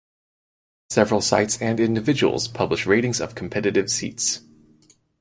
Several sites and individuals publish ratings of competitive seats.